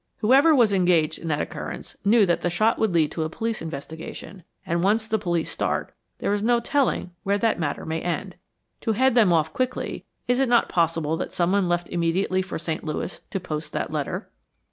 Whoever was engaged in that occurrence knew that the shot would lead to a police investigation, and once the police start, there is no telling where the matter may end. To head them off quickly, is it not possible that someone left immediately for St. Louis to post that letter?"